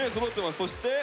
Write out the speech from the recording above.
そして？